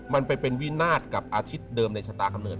มันไปเป็นวินาศกับอาทิตย์เดิมในชะตากำเนิ